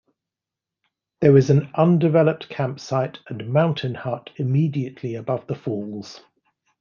There is an undeveloped camp site and mountain hut immediately above the falls.